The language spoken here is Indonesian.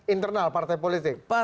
internal partai politik